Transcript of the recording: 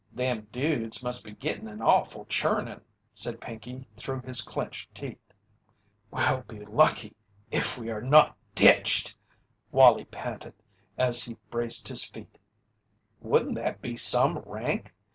"Them dudes must be gittin' an awful churnin'," said Pinkey through his clenched teeth. "We'll be lucky if we are not ditched," Wallie panted as he braced his feet. "Wouldn't that be some rank!